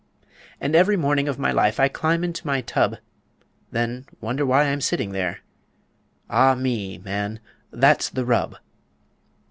"'And every morning of my life I climb into my tub; Then wonder why I'm sitting there. Ah, me, man! that's the rub!'